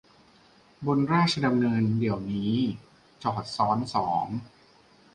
บนราชดำเนินเดี๋ยวนี้ จอดซ้อนสอง